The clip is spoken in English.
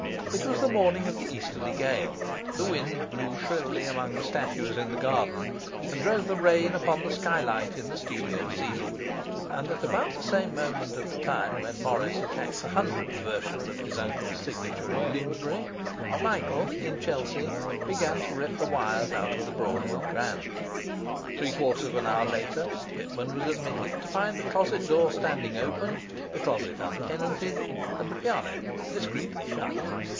It was the morning of the easterly gale; the wind blew shrilly among the statues in the garden, and drove the rain upon the skylight in the studio ceiling; and at about the same moment of the time when Morris attacked the hundredth version of his uncle's signature in Bloomsbury, Michael, in Chelsea, began to rip the wires out of the Broadwood grand. Three quarters of an hour later Pitman was admitted, to find the closet door standing open, the closet untenanted, and the piano discreetly shut.